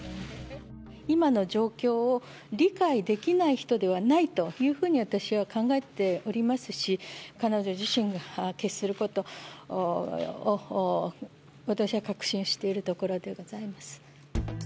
今の状況を理解できない人ではないというふうに、私は考えておりますし、彼女自身が決することを、私は確信しているところでございます。